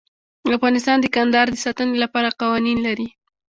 افغانستان د کندهار د ساتنې لپاره قوانین لري.